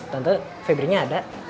tante febri nya ada